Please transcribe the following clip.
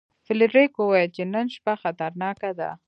فلیریک وویل چې نن شپه خطرناکه ده.